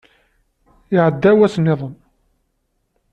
Iɛedda wass niḍen.